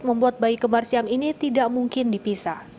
membuat bayi kembarsiam ini tidak mungkin dipisah